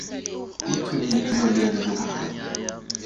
O thumile boleele jo bo kae?